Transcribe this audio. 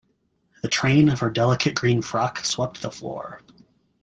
The train of her delicate green frock swept the floor.